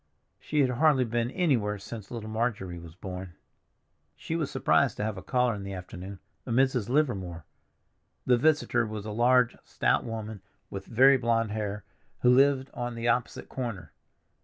She had hardly been anywhere since little Marjorie was born. She was surprised to have a caller in the afternoon, a Mrs. Livermore. The visitor was a large, stout woman with very blond hair, who lived on the opposite corner.